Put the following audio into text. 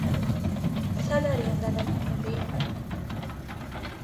სადარიან დანარჩენები?